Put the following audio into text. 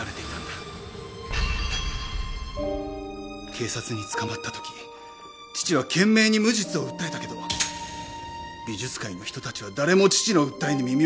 警察に捕まった時父は懸命に無実を訴えたけど美術界の人たちは誰も父の訴えに耳を貸してはくれなかった。